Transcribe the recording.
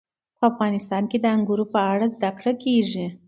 په افغانستان کې د انګورو په اړه زده کړه کېږي.